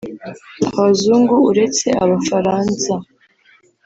abazungu uretse Abafaransa